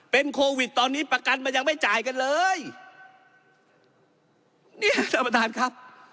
เป็นโควิดตอนนี้ประกันมันยังไม่จ่ายกันเลยเนี่ยท่านประธานครับ